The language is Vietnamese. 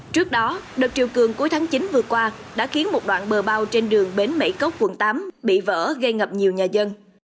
trước đó đợt triều cường cuối tháng chín vừa qua đã khiến một đoạn bờ bao trên đường bến mảy cốc quận tám bị vỡ gây ngập nhiều nhà dân